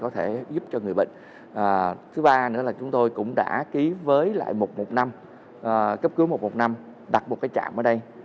thứ ba là chúng tôi cũng đã ký với lại một một năm cấp cứu một một năm đặt một cái trạm ở đây